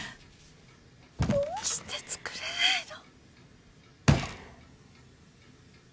どうして作れないの？